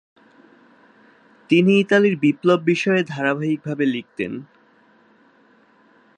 তিনি ইতালির বিপ্লব বিষয়ে ধারাবাহিকভাবে লিখতেন।